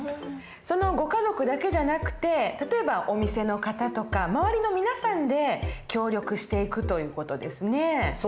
ご家族だけじゃなくて例えばお店の方とか周りの皆さんで協力していくという事ですね。